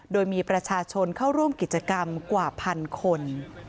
โดยมีประชาชนเข้าร่วมกิจกรรมกว่าพันคน